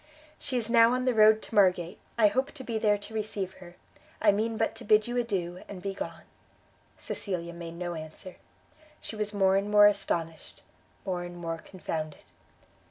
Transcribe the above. "She is now on the road to Margate; I hope to be there to receive her. I mean but to bid you adieu, and be gone." Cecilia made no answer; she was more and more astonished, more and more confounded.